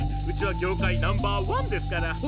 うちは業界ナンバーワンですから。